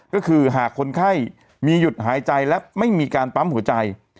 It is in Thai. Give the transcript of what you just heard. ก็คือหากคนไข้มีหยุดหายใจและไม่มีการปั๊มหัวใจ